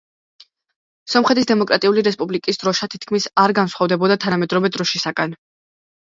სომხეთის დემოკრატიული რესპუბლიკის დროშა თითქმის არ განსხვავდებოდა თანამედროვე დროშისაგან.